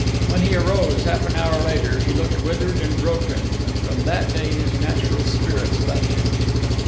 When he arose half an hour later he looked withered and broken, and from that day his natural spirits left him.